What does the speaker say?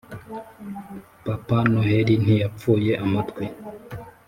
papa noheli ntiyapfuye amatwi".